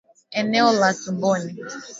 eneo la tumboni